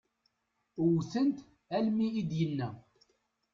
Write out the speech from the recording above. Wwten-t almi i d-yenna.